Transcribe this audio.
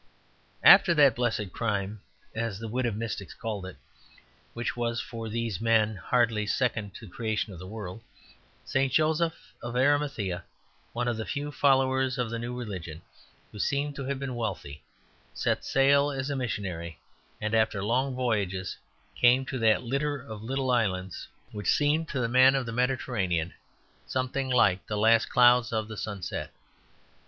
After that blessed crime, as the wit of mystics called it, which was for these men hardly second to the creation of the world, St. Joseph of Arimathea, one of the few followers of the new religion who seem to have been wealthy, set sail as a missionary, and after long voyages came to that litter of little islands which seemed to the men of the Mediterranean something like the last clouds of the sunset.